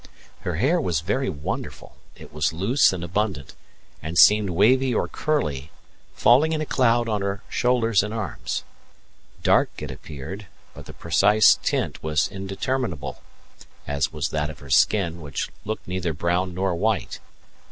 Her hair was very wonderful; it was loose and abundant, and seemed wavy or curly, falling in a cloud on her shoulders and arms. Dark it appeared, but the precise tint was indeterminable, as was that of her skin, which looked neither brown nor white.